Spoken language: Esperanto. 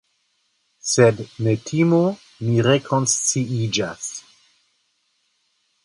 Sed ne timu; mi rekonsciiĝas.